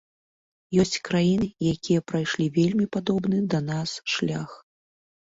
Ёсць краіны, якія прайшлі вельмі падобны да нас шлях.